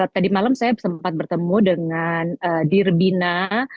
tadi malam saya sempat bertemu dengan dirbina